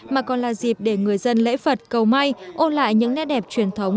mà còn là dịp để người dân lễ phật cầu may ôn lại những nét đẹp truyền thống